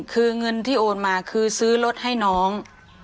คือเงินที่โอนมาคือซื้อรถให้น้อง